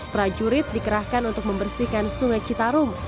seribu empat ratus prajurit dikerahkan untuk membersihkan sungai citarum